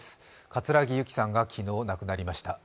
葛城ユキさんが昨日亡くなりました。